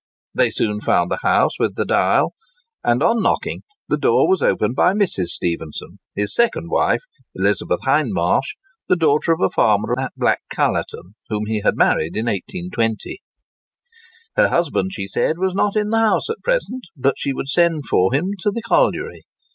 They soon found the house with the dial; and on knocking, the door was opened by Mrs. Stephenson—his second wife (Elizabeth Hindmarsh), the daughter of a farmer at Black Callerton, whom he had married in 1820. Her husband, she said, was not in the house at present, but she would send for him to the colliery.